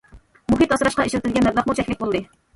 مۇھىت ئاسراشقا ئىشلىتىلگەن مەبلەغمۇ چەكلىك بولدى.